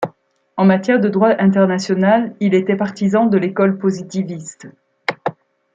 En matière de droit international, il était partisan de l’école positiviste.